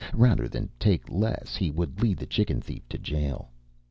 Rather than take less he would lead the chicken thief to jail.